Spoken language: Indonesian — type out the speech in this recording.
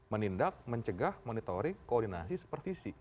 menindak mencegah monitoring koordinasi supervisi